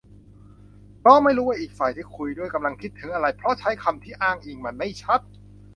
เพราะไม่รู้ว่าอีกฝ่ายที่คุยด้วยกำลังคิดถึงอะไร เพราะคำที่ใช้อ้างอิงมันไม่ชัด